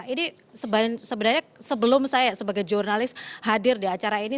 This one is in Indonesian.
ini sebenarnya sebelum saya sebagai jurnalis hadir di acara ini